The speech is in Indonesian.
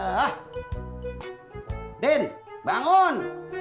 ah ah din bangun